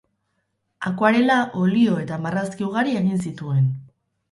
Akuarela, olio eta marrazki ugari egin zituen.